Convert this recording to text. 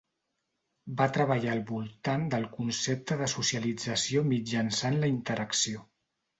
Va treballar al voltant del concepte de socialització mitjançant la interacció.